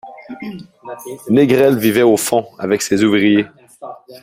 Négrel vivait au fond, avec ses ouvriers.